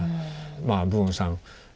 まあプオンさん